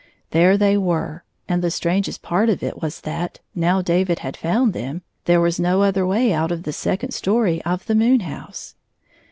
There they were, and the strangest part of it was that, now David had found them, there was no other way out of the second story of the moon house.